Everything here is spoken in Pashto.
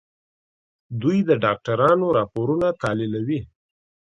دوی د ډاکټرانو راپورونه تحليلوي.